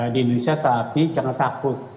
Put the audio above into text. di indonesia tapi jangan takut